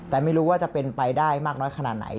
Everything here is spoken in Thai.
แต่ไม่รู้ว่าจะเป็นไปได้มากน้อยขนาดไหน